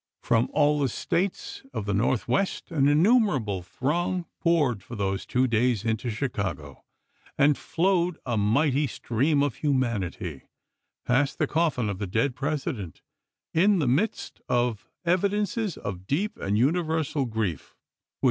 From all the States of the Northwest an innumera ble throng poured for these two days into Chicago, and flowed, a mighty stream of humanity, past the coffin of the dead President, in the midst of THE MOURNING PAGEANT 323 evidences of deep and universal grief which chap.